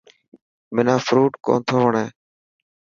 منا فروٽ ڪونٿو وڻي.